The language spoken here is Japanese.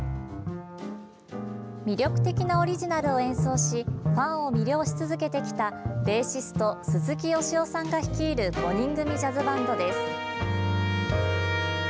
魅力的なオリジナルを演奏しファンを魅了し続けてきたベーシスト・鈴木良雄さんが率いる５人組ジャズバンドです。